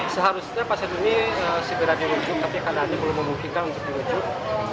seharusnya pasien ini cedera dirujuk tapi kadang kadang belum memungkinkan untuk dirujuk